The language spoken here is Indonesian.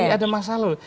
ini ada masalah